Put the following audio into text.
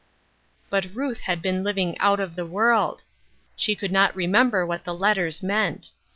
But Ruth had been living out of the world. She could not remember what the letters meant.